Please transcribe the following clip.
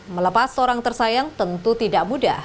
melepas orang tersayang tentu tidak mudah